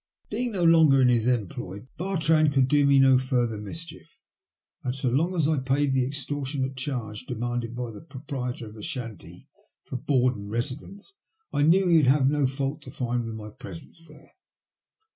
Being no longer in his employ, Bartrand could do me no further mischief, and so long as I paid the extortionate charge demanded by the pro prietor of the shanty for board and residence, I knew he would have no fault to find with my presence there.